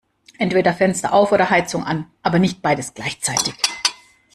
Entweder Fenster auf oder Heizung an, aber nicht beides gleichzeitig!